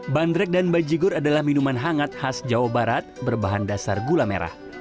bandrek dan bajigur adalah minuman hangat khas jawa barat berbahan dasar gula merah